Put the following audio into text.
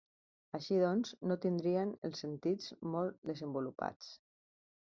Així doncs, no tindrien els sentits molt desenvolupats.